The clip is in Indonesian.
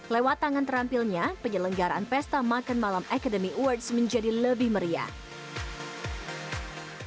lewat tangan terampilnya penyelenggaraan pesta makan malam academy awards menjadi lebih meriah